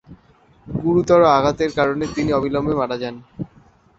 গুরুতর আঘাতের কারণে তিনি অবিলম্বে মারা যান।